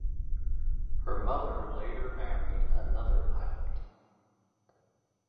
Her mother later married another pilot.